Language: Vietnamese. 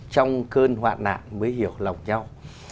trong cơn hoạn nạn mới hiểu lòng nhau